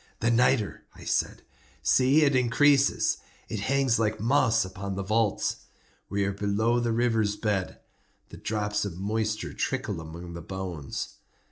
"The nitre!" I said: "see, it increases. It hangs like moss upon the vaults. We are below the river's bed. The drops of moisture trickle among the bones.